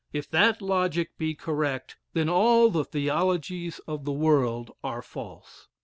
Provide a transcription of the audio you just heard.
If that logic be correct, then all the theologies of the world are false.